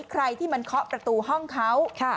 ใครที่มันเคาะประตูห้องเขา